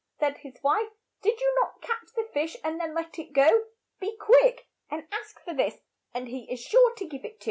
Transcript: said his wife. Did you not catch the fish, and then let it ^>go. Be quick, and ask for this, and he is sure to give it to you."